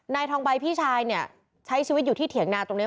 นายทองใบพี่ชายเนี่ยใช้ชีวิตอยู่ที่เถียงนาตรงนี้